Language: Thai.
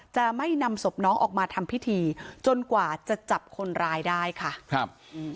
จะไม่นำศพน้องออกมาทำพิธีจนกว่าจะจับคนร้ายได้ค่ะครับอืม